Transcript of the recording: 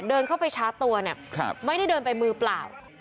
เดินเข้าไปชาร์จตัวเนี่ยไม่ได้เดินไปมือเปล่า